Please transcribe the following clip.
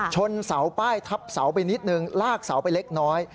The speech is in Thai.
ชนเสาป้ายทับเสาไปนิดนึงลากเสาไปเล็กน้อย